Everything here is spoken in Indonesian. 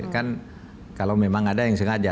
kan kalau memang ada yang sengaja